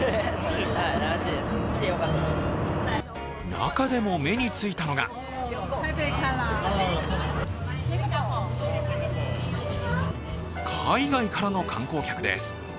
中でも目についたのが海外からの観光客です。